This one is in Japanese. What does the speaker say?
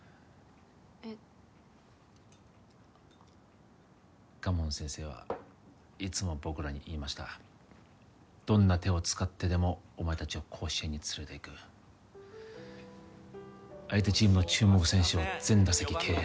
えっ賀門先生はいつも僕らに言いましたどんな手を使ってでもお前達を甲子園に連れていく相手チームの注目選手を全打席敬遠